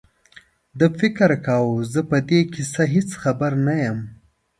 ده فکر کاوه زه په دې کیسه هېڅ خبر نه یم.